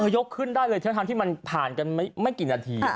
ยกขึ้นได้เลยทั้งที่มันผ่านกันไม่กี่นาที